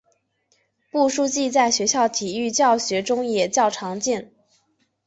步数计在学校体育教学中也较为常见。